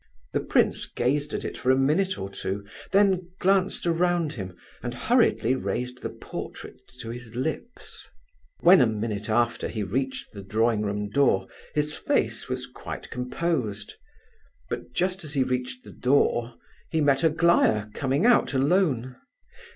The prince gazed at it for a minute or two, then glanced around him, and hurriedly raised the portrait to his lips. When, a minute after, he reached the drawing room door, his face was quite composed. But just as he reached the door he met Aglaya coming out alone.